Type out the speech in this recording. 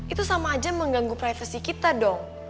itu sama aja mengganggu privasi kita dong